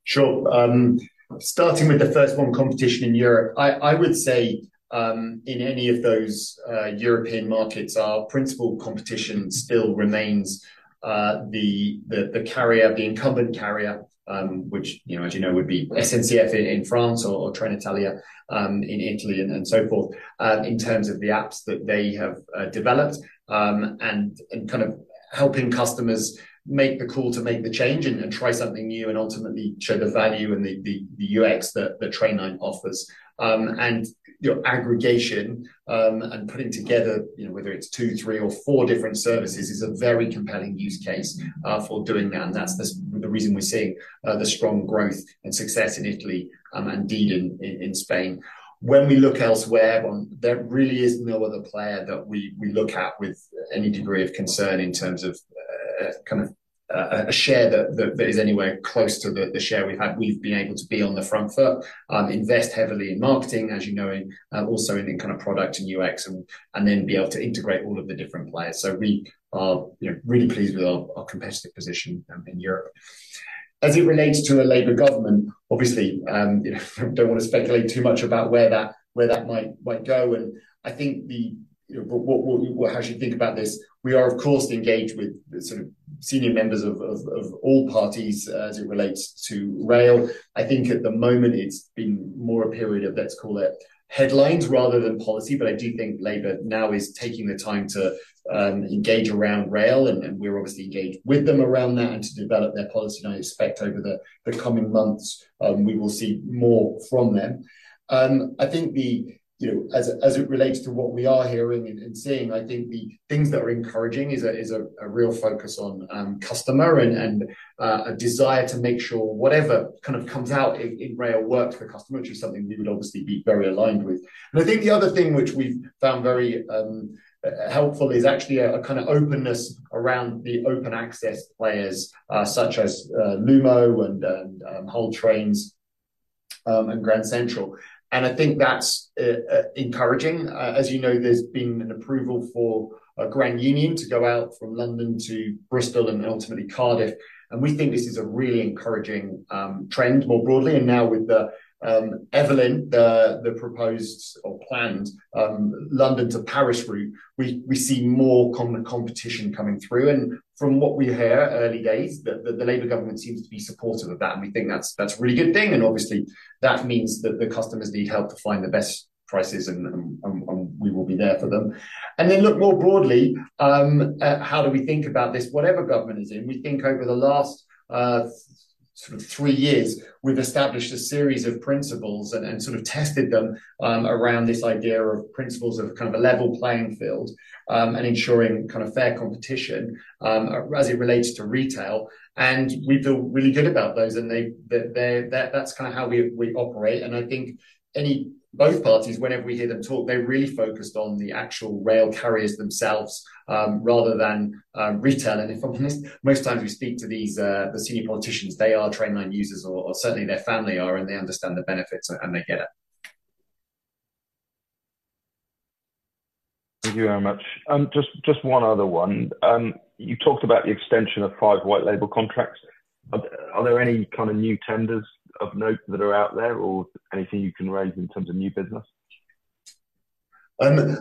Sure. Starting with the first one, competition in Europe. I would say, in any of those European markets, our principal competition still remains, the carrier, the incumbent carrier, which, you know, as you know, would be SNCF in France or Trenitalia in Italy and so forth. In terms of the apps that they have developed, and kind of helping customers make the call to make the change and try something new and ultimately show the value and the UX that Trainline offers. And, you know, aggregation, and putting together, you know, whether it's two, three, or four different services, is a very compelling use case, for doing that, and that's the reason we're seeing, the strong growth and success in Italy, and indeed in, in, in Spain. When we look elsewhere, there really is no other player that we look at with any degree of concern in terms of, kind of, a share that is anywhere close to the share we've had. We've been able to be on the front foot, invest heavily in marketing, as you know, in, also in the kind of product and UX and, and then be able to integrate all of the different players. So we are, you know, really pleased with our competitive position, in Europe. As it relates to a Labour government, obviously, you know, don't want to speculate too much about where that might go, and I think, well, how I should think about this, we are of course engaged with the sort of senior members of all parties as it relates to rail. I think at the moment it's been more a period of, let's call it, headlines rather than policy, but I do think Labour now is taking the time to engage around rail, and we're obviously engaged with them around that and to develop their policy. And I expect over the coming months, we will see more from them. I think you know as it relates to what we are hearing and seeing, I think the things that are encouraging is a real focus on customer and a desire to make sure whatever kind of comes out in rail works for customer, which is something we would obviously be very aligned with. And I think the other thing which we've found very helpful is actually a kind of openness around the open access players such as Lumo and Hull Trains and Grand Central. And I think that's encouraging. As you know, there's been an approval for a Grand Union to go out from London to Bristol and ultimately Cardiff, and we think this is a really encouraging trend more broadly. And now with the Evolyn, the proposed or planned London to Paris route, we see more competition coming through. And from what we hear, early days, the Labour government seems to be supportive of that, and we think that's a really good thing, and obviously that means that the customers need help to find the best prices, and we will be there for them. And then look more broadly, how do we think about this? Whatever government is in, we think over the last sort of three years, we've established a series of principles and sort of tested them around this idea of principles of kind of a level playing field, and ensuring kind of fair competition, as it relates to retail. We feel really good about those, and they—that's kind of how we operate. I think both parties, whenever we hear them talk, they're really focused on the actual rail carriers themselves, rather than retail. If I'm honest, most times we speak to these the senior politicians, they are Trainline users, or certainly their family are, and they understand the benefits, and they get it.
Thank you very much. Just one other one. You talked about the extension of five white-label contracts. Are there any kind of new tenders of note that are out there or anything you can raise in terms of new business?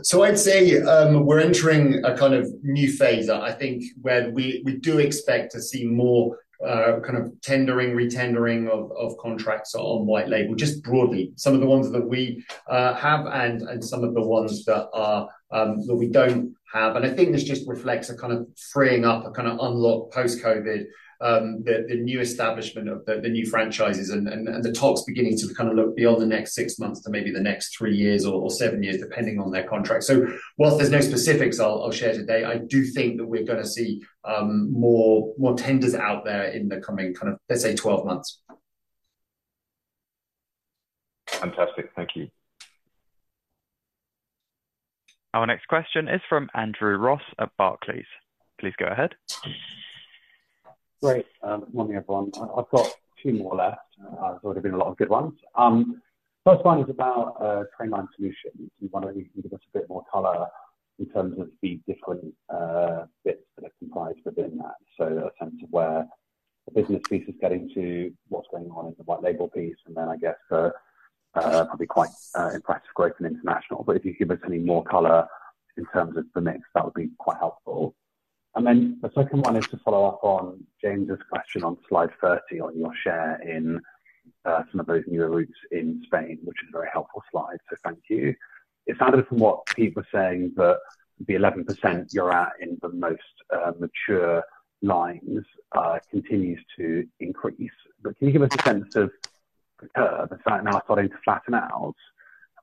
So I'd say we're entering a kind of new phase, I think, where we do expect to see more kind of tendering, re-tendering of contracts on white label, just broadly. Some of the ones that we have and some of the ones that we don't have. And I think this just reflects a kind of freeing up, a kind of unlock post-COVID, the new establishment of the new franchises and the talks beginning to kind of look beyond the next six months to maybe the next three years or seven years, depending on their contract. So whilst there's no specifics I'll share today, I do think that we're going to see more tenders out there in the coming kind of, let's say, 12 months.
Fantastic. Thank you.
Our next question is from Andrew Ross of Barclays. Please go ahead.
Great. Morning, everyone. I've got two more left. There's already been a lot of good ones. First one is about Trainline Solutions. We wonder if you can give us a bit more color in terms of the different bits that are comprised within that. So a sense of where the business piece is getting to, what's going on in the white label piece, and then I guess the probably quite impressive growth in international. But if you could give us any more color in terms of the mix, that would be quite helpful. And then the second one is to follow up on James' question on slide 30, on your share in some of those newer routes in Spain, which is a very helpful slide, so thank you. It sounded from what Pete was saying, that the 11% you're at in the most mature lines continues to increase. But can you give us a sense of the fact now starting to flatten out,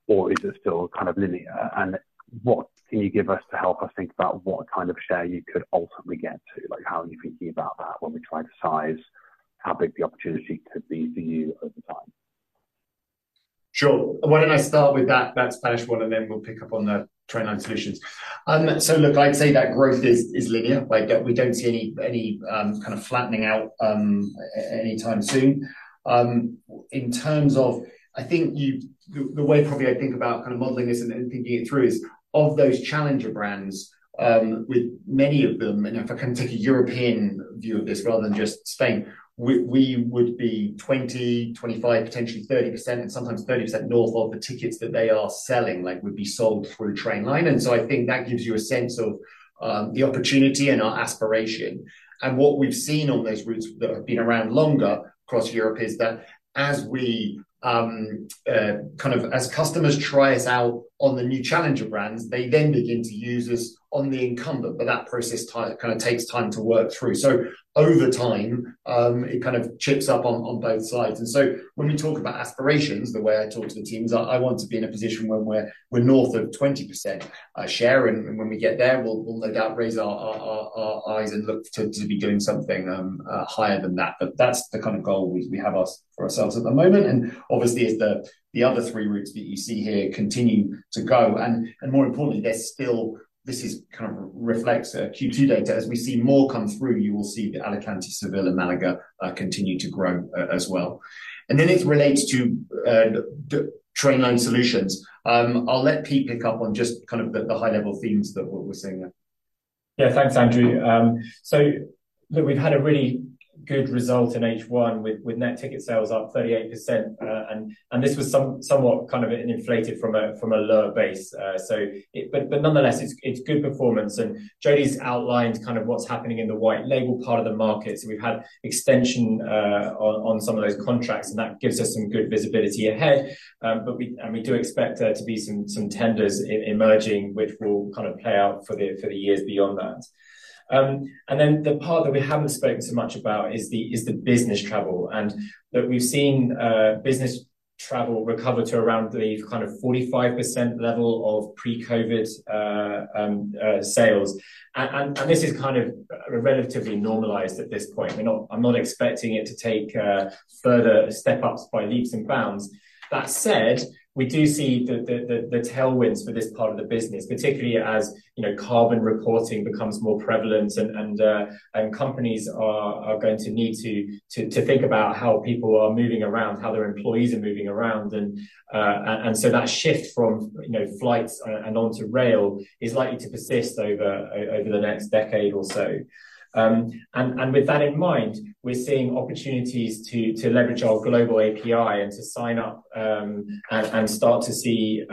or is it still kind of linear? And what can you give us to help us think about what kind of share you could ultimately get to? Like, how are you thinking about that when we try to size how big the opportunity could be for you over time?...
Sure. Why don't I start with that, that Spanish one, and then we'll pick up on the Trainline Solutions? So look, I'd say that growth is linear. Like, we don't see any kind of flattening out anytime soon. In terms of-- I think you-- the way probably I think about kind of modeling this and then thinking it through is, of those challenger brands, with many of them, and if I can take a European view of this rather than just Spain, we would be 20%, 25%, potentially 30%, and sometimes 30% north of the tickets that they are selling, like, would be sold through Trainline. And so I think that gives you a sense of the opportunity and our aspiration. And what we've seen on those routes that have been around longer across Europe is that as we, kind of as customers try us out on the new challenger brands, they then begin to use us on the incumbent, but that process kind of takes time to work through. So over time, it kind of chips up on, on both sides. And so when we talk about aspirations, the way I talk to the teams, I, I want to be in a position where we're, we're north of 20% share, and, and when we get there, we'll, we'll no doubt raise our, our, our, our eyes and look to, to be doing something, higher than that. But that's the kind of goal we have for ourselves at the moment, and obviously, as the other three routes that you see here continue to go. And more importantly, there's still... This is kind of reflects Q2 data. As we see more come through, you will see that Alicante, Seville, and Malaga continue to grow as well. And then it relates to the Trainline Solutions. I'll let Pete pick up on just kind of the high-level themes that we're seeing there.
Yeah, thanks, Andrew. So look, we've had a really good result in H1 with net ticket sales up 38%, and this was somewhat kind of inflated from a lower base. So but nonetheless, it's good performance, and Jody's outlined kind of what's happening in the white label part of the market. So we've had extension on some of those contracts, and that gives us some good visibility ahead. But and we do expect there to be some tenders emerging, which will kind of play out for the, for the years beyond that. And then the part that we haven't spoken so much about is the business travel, and that we've seen business travel recover to around the kind of 45% level of pre-COVID sales. This is kind of relatively normalized at this point. We're not, I'm not expecting it to take further step-ups by leaps and bounds. That said, we do see the tailwinds for this part of the business, particularly as, you know, carbon reporting becomes more prevalent and companies are going to need to think about how people are moving around, how their employees are moving around. And so that shift from, you know, flights and onto rail is likely to persist over the next decade or so. With that in mind, we're seeing opportunities to leverage our global API and to sign up and start to see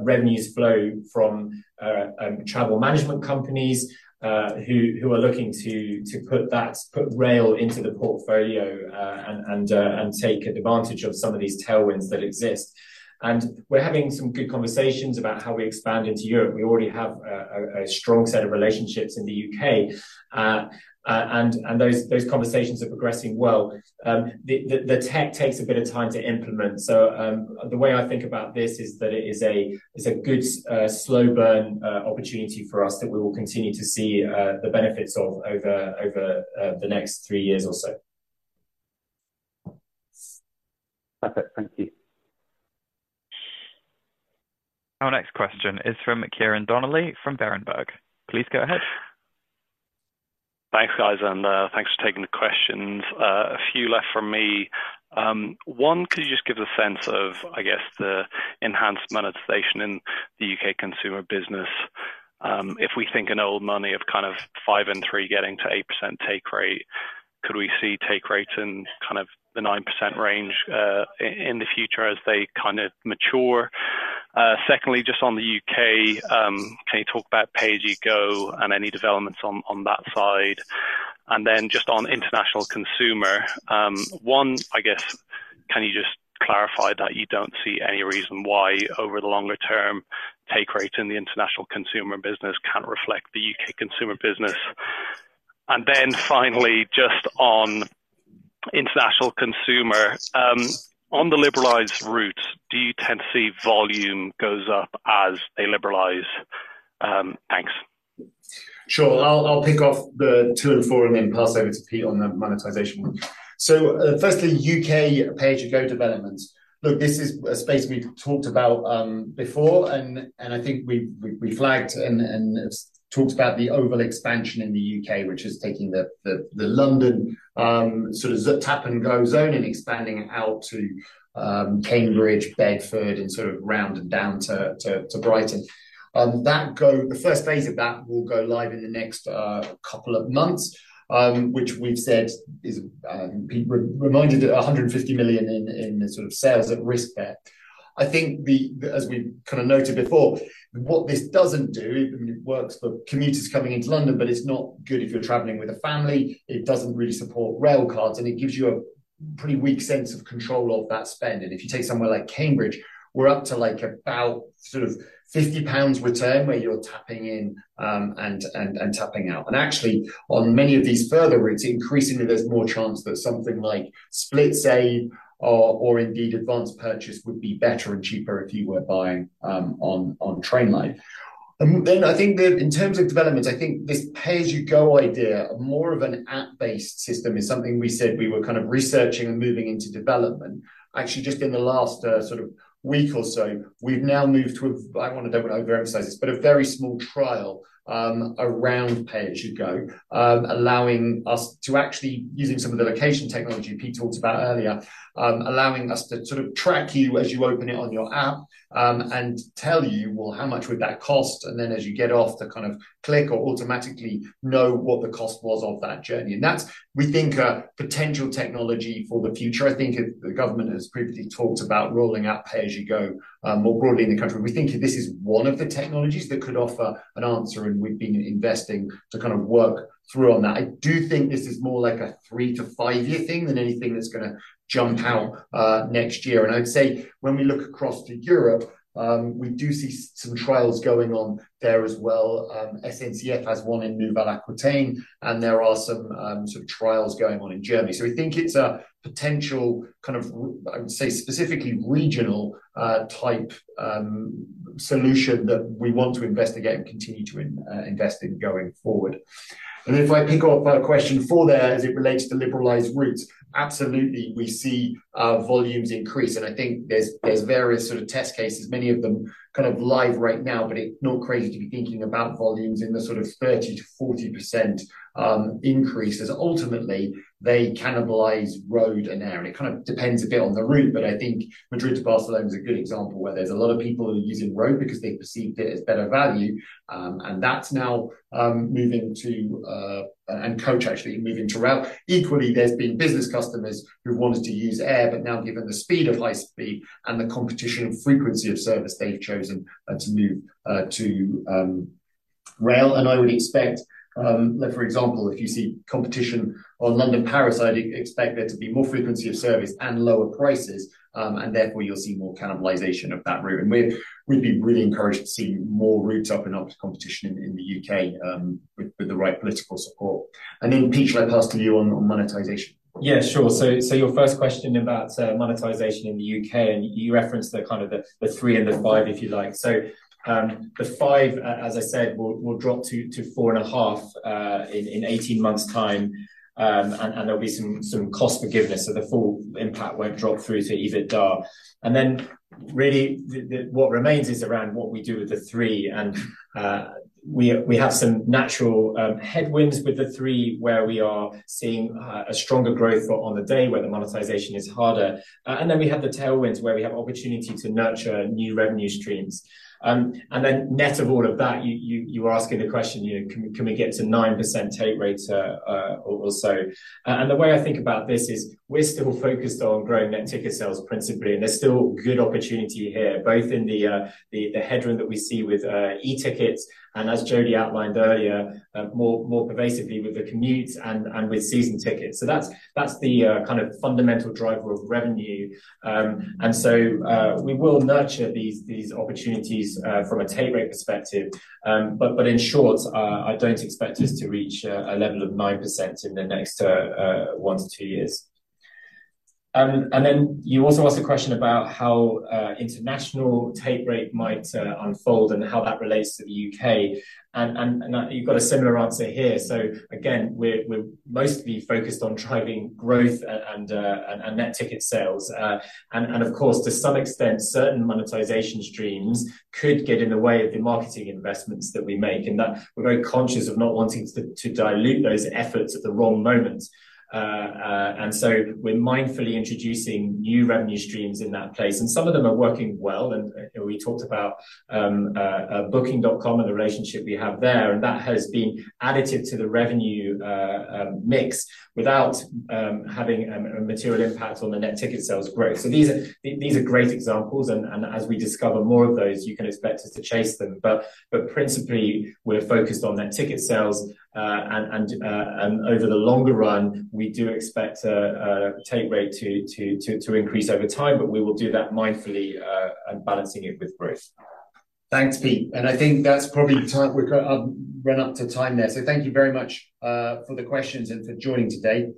revenues flow from travel management companies who are looking to put rail into the portfolio and take advantage of some of these tailwinds that exist. We're having some good conversations about how we expand into Europe. We already have a strong set of relationships in the U.K., and those conversations are progressing well. The tech takes a bit of time to implement, so the way I think about this is that it is a good slow burn opportunity for us that we will continue to see the benefits of over the next three years or so.
Perfect. Thank you.
Our next question is from Ciarán Donnelly from Berenberg. Please go ahead.
Thanks, guys, and thanks for taking the questions. A few left from me. One, could you just give us a sense of, I guess, the enhanced monetization in the UK consumer business? If we think in old money of kind of 5% and 3% getting to 8% take rate, could we see take rate in kind of the 9% range, in the future as they kind of mature? Secondly, just on the U.K., can you talk about Pay as you Go and any developments on that side? And then just on international consumer, one, I guess, can you just clarify that you don't see any reason why, over the longer term, take rate in the international consumer business can't reflect the UK consumer business? And then finally, just on international consumer, on the liberalized routes, do you tend to see volume goes up as they liberalize? Thanks.
Sure. I'll kick off the two and four, and then pass over to Pete on the monetization one. So, firstly, UK Pay as you Go developments. Look, this is a space we've talked about before, and I think we've flagged and talked about the overall expansion in the U.K., which is taking the London sort of tap-and-go zone and expanding it out to Cambridge, Bedford, and sort of round and down to Brighton. The first phase of that will go live in the next couple of months, which we've said is Pete reminded 150 million in sort of sales at risk there. I think the... As we've kind of noted before, what this doesn't do, I mean, it works for commuters coming into London, but it's not good if you're traveling with a family. It doesn't really support rail cards, and it gives you a pretty weak sense of control of that spend. If you take somewhere like Cambridge, we're up to, like, about sort of 50 pounds return, where you're tapping in and tapping out. Actually, on many of these further routes, increasingly, there's more chance that something like SplitSave or indeed advanced purchase would be better and cheaper if you were buying on Trainline. Then I think that in terms of development, I think this pay-as-you-go idea, more of an app-based system, is something we said we were kind of researching and moving into development. Actually, just in the last sort of week or so, we've now moved to a, I don't want to overemphasize this, but a very small trial around pay-as-you-go, allowing us to actually, using some of the location technology Pete talked about earlier, allowing us to sort of track you as you open it on your app, and tell you, well, how much would that cost? And then as you get off, to kind of click or automatically know what the cost was of that journey. And that's, we think, a potential technology for the future. I think the government has previously talked about rolling out pay-as-you-go more broadly in the country. We think this is one of the technologies that could offer an answer, and we've been investing to kind of work through on that. I do think this is more like a 3-5-year thing than anything that's going to jump out next year. And I'd say when we look across to Europe, we do see some trials going on there as well. SNCF has one in Nouvelle-Aquitaine, and there are some sort of trials going on in Germany. So we think it's a potential kind of, I would say, specifically regional type solution that we want to investigate and continue to invest in going forward. And then if I pick up on question 4 there as it relates to liberalized routes, absolutely, we see volumes increase, and I think there's various sort of test cases, many of them kind of live right now, but it's not crazy to be thinking about volumes in the sort of 30%-40% increases. Ultimately, they cannibalize road and air, and it kind of depends a bit on the route, but I think Madrid to Barcelona is a good example where there's a lot of people who are using road because they perceived it as better value. And that's now moving to and coach actually moving to rail. Equally, there's been business customers who've wanted to use air, but now, given the speed of high-speed and the competition and frequency of service, they've chosen to move to rail. And I would expect, like, for example, if you see competition on London, Paris, I'd expect there to be more frequency of service and lower prices, and therefore you'll see more cannibalization of that route. We'd be really encouraged to see more routes open up to competition in the U.K., with the right political support. Then, Pete, shall I pass to you on monetization?
Yeah, sure. So, your first question about monetization in the U.K., and you referenced the kind of the 3 and the 5, if you like. So, the 5, as I said, will drop to 4.5 in 18 months' time, and there'll be some cost forgiveness, so the full impact won't drop through to EBITDA. Then really, what remains is around what we do with the 3, and we have some natural headwinds with the 3, where we are seeing a stronger growth on the day where the monetization is harder. And then we have the tailwinds, where we have opportunity to nurture new revenue streams. And then net of all of that, you were asking the question, you know, can we get to 9% take rate or so? And the way I think about this is we're still focused on growing net ticket sales, principally, and there's still good opportunity here, both in the headroom that we see with e-tickets, and as Jody outlined earlier, more pervasively with the commutes and with season tickets. So that's the kind of fundamental driver of revenue. And so we will nurture these opportunities from a take rate perspective. But in short, I don't expect us to reach a level of 9% in the next one to two years. And then you also asked a question about how international take rate might unfold and how that relates to the UK, and you've got a similar answer here. So again, we're mostly focused on driving growth and net ticket sales. And of course, to some extent, certain monetization streams could get in the way of the marketing investments that we make, and that we're very conscious of not wanting to dilute those efforts at the wrong moment. And so we're mindfully introducing new revenue streams in that place, and some of them are working well. And we talked about Booking.com and the relationship we have there, and that has been additive to the revenue mix without having a material impact on the net ticket sales growth. So these are great examples, and as we discover more of those, you can expect us to chase them. But principally, we're focused on Net Ticket Sales. And over the longer run, we do expect Take Rate to increase over time, but we will do that mindfully, and balancing it with growth.
Thanks, Pete. I think that's probably the time. We've run up to time there. Thank you very much for the questions and for joining today.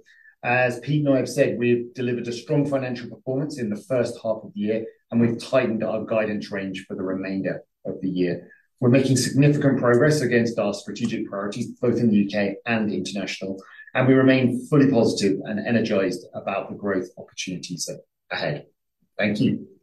As Pete and I have said, we've delivered a strong financial performance in the first half of the year, and we've tightened our guidance range for the remainder of the year. We're making significant progress against our strategic priorities, both in the U.K. and international, and we remain fully positive and energized about the growth opportunities ahead. Thank you.